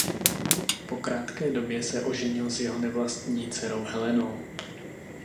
Po krátké době se oženil s jeho nevlastní dcerou Helenou.